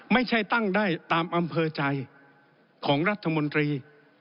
ไม่ใช่ตั้งได้ตามอำเภอใจของรัฐมนตรี